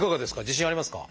自信ありますか？